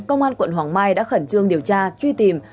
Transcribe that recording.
công an quận hoàng mai đã khẩn trương điều tra truy tìm